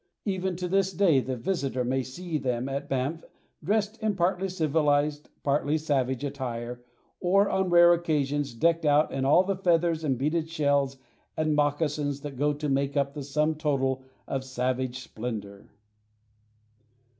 Even to this day the visitor may see them at Banff dressed in partly civilized, partly savage attire, or on rare occasions decked out in all the feathers and beaded belts and moccasins that go to make up the sum total of savage splendor.